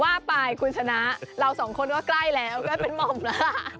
ว่าไปคุณชนะเราสองคนก็ใกล้แล้วใกล้เป็นหม่อมแล้วล่ะ